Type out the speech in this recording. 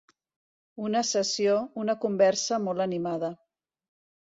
Una sessió, una conversa molt animada.